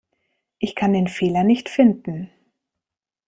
Ich kann den Fehler nicht finden.